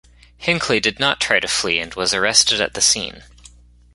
Hinckley did not try to flee and was arrested at the scene.